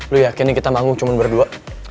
lu yakin ini kita bangun cuman berdua